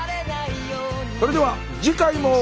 それでは次回も。